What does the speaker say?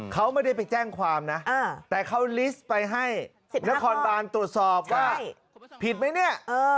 เขาไม่ได้ไปแจ้งความนะแต่เขาลิสต์ไปให้นครบานตรวจสอบว่าผิดไหมเนี่ย